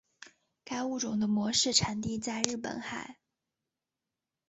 该物种的模式产地在日本海。